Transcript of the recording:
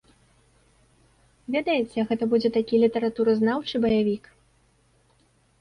Ведаеце, гэта будзе такі літаратуразнаўчы баявік.